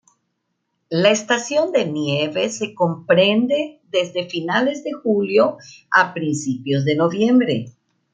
La estación de nieve se comprende desde finales de julio a principios de noviembre.